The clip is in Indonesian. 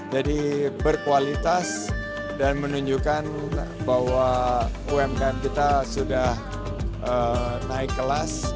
jadi berkualitas dan menunjukkan bahwa umkm kita sudah naik kelas